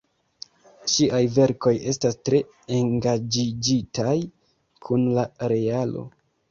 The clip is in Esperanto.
Ŝiaj verkoj estas tre engaĝiĝitaj kun la realo.